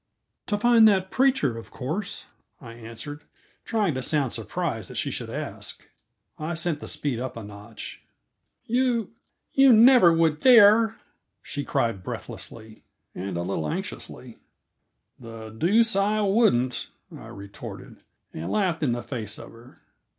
"To find that preacher, of course," I answered, trying to sound surprised that she should ask, I sent the speed up a notch. "You you never would dare!" she cried breathlessly, and a little anxiously. "The deuce I wouldn't!" I retorted, and laughed in the face of her.